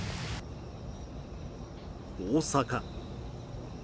大阪。